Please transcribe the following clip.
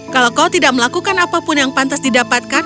kalau kau tidak melakukan apapun yang pantas didapatkan